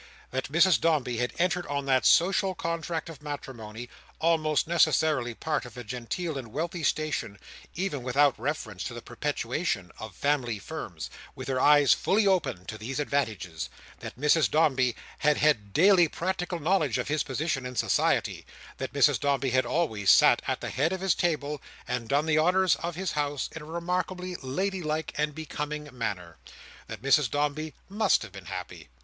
That Mrs Dombey had entered on that social contract of matrimony: almost necessarily part of a genteel and wealthy station, even without reference to the perpetuation of family Firms: with her eyes fully open to these advantages. That Mrs Dombey had had daily practical knowledge of his position in society. That Mrs Dombey had always sat at the head of his table, and done the honours of his house in a remarkably lady like and becoming manner. That Mrs Dombey must have been happy.